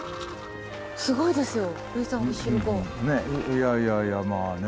いやいやいやまあね